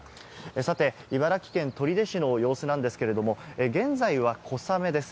さて茨城県取手市の様子なんですけれども、現在は小雨です。